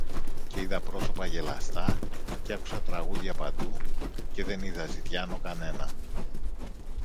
Και είδα πρόσωπα γελαστά, και άκουσα τραγούδια παντού, και δεν είδα ζητιάνο κανένα.